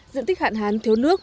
diện tích hạn hán thiếu nước